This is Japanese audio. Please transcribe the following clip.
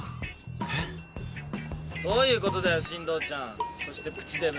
えっ？どういうことだよ進藤ちゃん。そしてプチデブ。